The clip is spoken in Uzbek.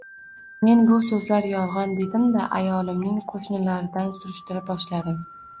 Men bu so`zlar yolg`on dedimda ayolimning qo`shnilaridan surishtira boshladim